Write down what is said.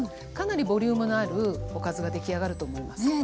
かなりボリュームのあるおかずが出来上がると思います。